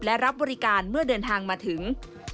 และรับบริการเมื่อเดินทางมาถึง